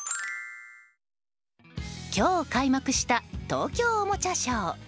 今日開幕した東京おもちゃショー。